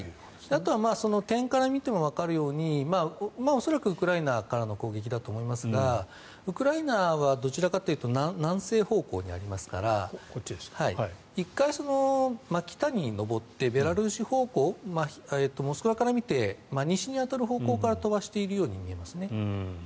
あとは点から見てもわかるように恐らくウクライナからの攻撃だと思いますがウクライナはどちらかというと南西方向にありますから１回、北に上ってベラルーシ方向モスクワから見て西に当たる方向から飛ばしているように見えますね。